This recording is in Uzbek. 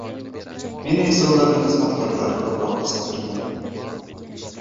Meni esa ularning xizmatkorlari ko‘proq qiziqtirgan.